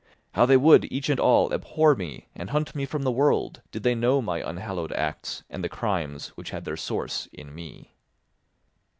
How they would, each and all, abhor me and hunt me from the world, did they know my unhallowed acts and the crimes which had their source in me!